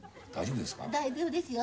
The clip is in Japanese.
大丈夫ですか？